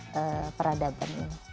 dan juga peradaban